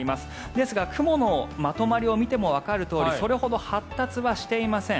ですが雲のまとまりを見てもわかるとおりそれほど発達はしていません。